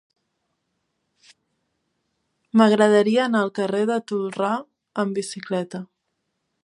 M'agradaria anar al carrer de Tolrà amb bicicleta.